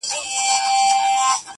• د وخت څپه تېرېږي ورو,